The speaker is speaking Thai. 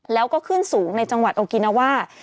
แล้วก็ขึ้นสูงในจังหวัดโอกินาว่า